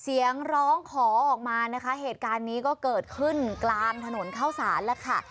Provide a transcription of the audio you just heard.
เสียงร้องขอออกมานะคะเหตุการณ์นี้ก็เกิดขึ้นกลางถนนเข้าสารแล้วค่ะ